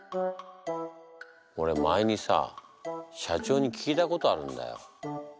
俺前にさ社長に聞いたことあるんだよ。